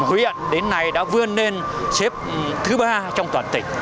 huyện đến nay đã vươn lên xếp thứ ba trong toàn tỉnh